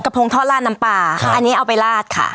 พงทอดลาดน้ำปลาค่ะอันนี้เอาไปลาดค่ะ